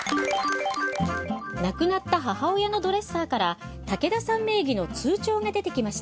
亡くなった母親のドレッサーから竹田さん名義の通帳が出てきました。